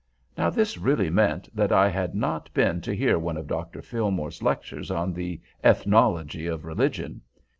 Now this really meant that I had not been to hear one of Dr. Fillmore's lectures on the Ethnology of Religion.